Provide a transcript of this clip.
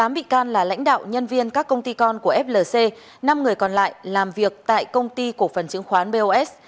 tám bị can là lãnh đạo nhân viên các công ty con của flc năm người còn lại làm việc tại công ty cổ phần chứng khoán bos